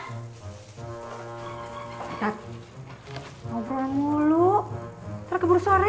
kak ngobrol mulu ntar keburu sore